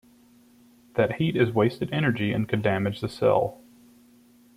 That heat is wasted energy, and could damage the cell.